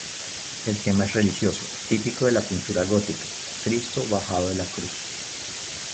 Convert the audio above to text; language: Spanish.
El tema es religioso, típico de la pintura gótica: Cristo bajado de la cruz.